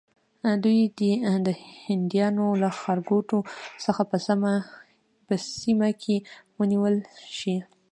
دوی دې د هندیانو له ښارګوټو څخه په سیمه کې ونیول شي.